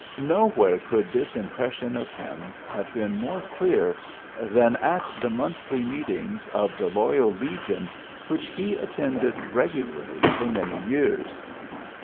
Nowhere could this im pression of him have been more clear than at the monthly meetings of the Loyal Legion, which he attended regu larly for many years.